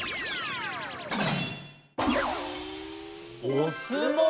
おすもう？